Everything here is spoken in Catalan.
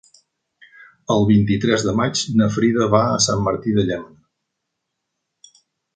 El vint-i-tres de maig na Frida va a Sant Martí de Llémena.